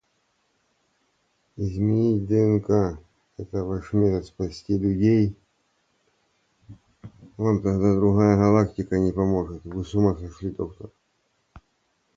— Вы с ума сошли, доктор!